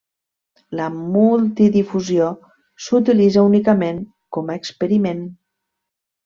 La multidifusió s'utilitza únicament com a experiment.